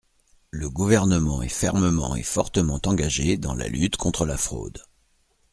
Le Gouvernement est fermement et fortement engagé dans la lutte contre la fraude.